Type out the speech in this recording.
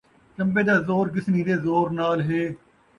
چن٘بے دا زور ، ڳسنی دے زور نال ہے